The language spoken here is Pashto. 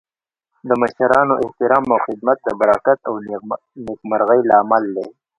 د مشرانو احترام او خدمت د برکت او نیکمرغۍ لامل دی.